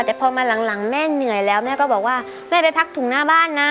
แต่พอมาหลังแม่เหนื่อยแล้วแม่ก็บอกว่าแม่ไปพักถุงหน้าบ้านนะ